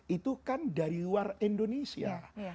itu kan dari luar indonesia